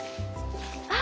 あ！